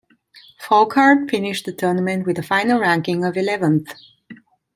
Folkard finished the tournament with a final ranking of eleventh.